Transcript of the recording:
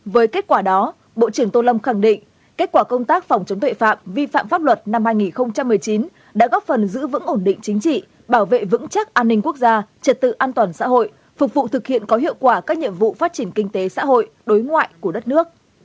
với kết quả đó bộ trưởng tô lâm khẳng định kết quả công tác phòng chống tội phạm vi phạm pháp luật năm hai nghìn một mươi chín đã góp phần giữ vững ổn định chính trị bảo vệ vững chắc an ninh quốc gia trật tự an toàn xã hội phục vụ thực hiện có hiệu quả các nhiệm vụ phát triển kinh tế xã hội đối ngoại của đất nước